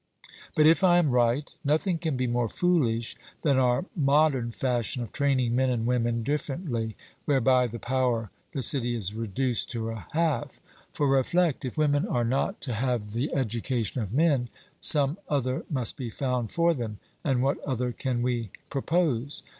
But if I am right, nothing can be more foolish than our modern fashion of training men and women differently, whereby the power the city is reduced to a half. For reflect if women are not to have the education of men, some other must be found for them, and what other can we propose?